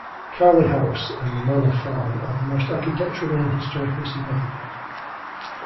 Cowley House, and the Manor Farm are the most architecturally and historically significant.